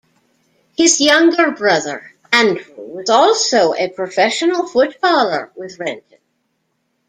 His younger brother Andrew was also a professional footballer with Renton.